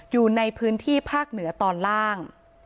อยู่ในพื้นที่ภาคเหนือตอนล่าง